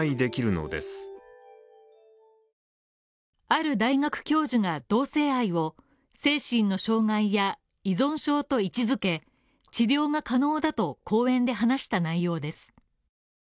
ある大学教授が、同性愛を精神の障害や依存症と位置づけ治療が可能だと講演で話した内容です。